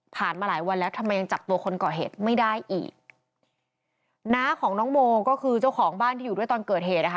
มาหลายวันแล้วทำไมยังจับตัวคนก่อเหตุไม่ได้อีกน้าของน้องโมก็คือเจ้าของบ้านที่อยู่ด้วยตอนเกิดเหตุนะคะ